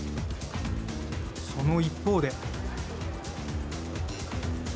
その一方で。